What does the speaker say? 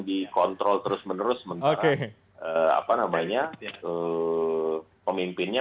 dikontrol terus menerus oke apa namanya pemimpinnya